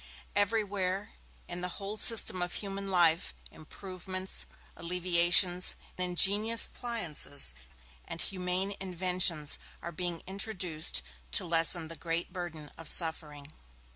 Everywhere, in the whole system of human life, improvements, alleviations, ingenious appliances and humane inventions are being introduced to lessen the great burden of suffering.